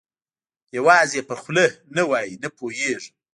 یوازې یې په خوله نه وایي، نه پوهېږم.